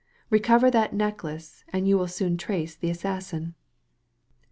Recover that necklace, and you will soon trace the assassin."